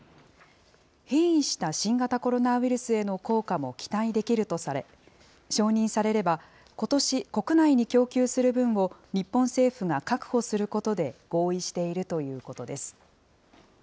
変異した新型コロナウイルスへの効果も期待できるとされ、承認されれば、ことし、国内に供給する分を日本政府が確保することで合意しているということです。